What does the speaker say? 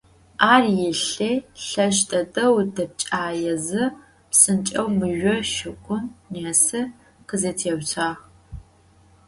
Ar yilhi, lheşş dedeu depç'aêze, psınç'eu mızjo şşıgum nesi khızetêutsuağ.